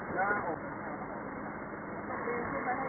สวัสดีครับ